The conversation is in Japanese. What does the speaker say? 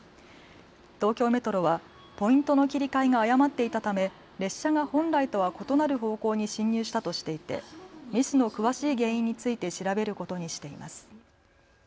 東京メトロはポイントの切り替えが誤っていたため列車が本来とは異なる方向に進入したとしていてミスの詳しい原因について調べることにしています。